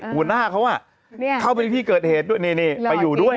หัวหน้าเขาเข้าไปที่เกิดเหตุด้วยนี่ไปอยู่ด้วย